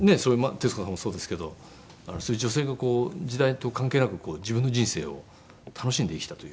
徹子さんもそうですけどそういう女性がこう時代と関係なく自分の人生を楽しんで生きたというね。